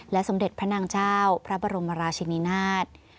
สมเด็จพระนางเจ้าพระบรมราชินินาศ